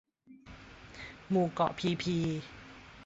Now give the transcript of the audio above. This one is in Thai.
หมู่เกาะพีพี